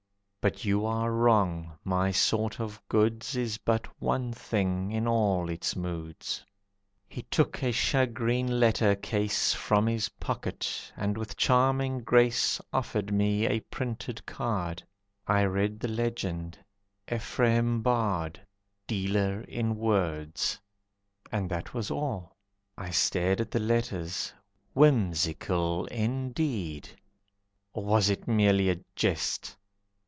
But you are wrong, my sort of goods Is but one thing in all its moods." He took a shagreen letter case From his pocket, and with charming grace Offered me a printed card. I read the legend, "Ephraim Bard. Dealer in Words." And that was all. I stared at the letters, whimsical Indeed, or was it merely a jest.